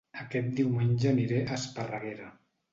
Aquest diumenge aniré a Esparreguera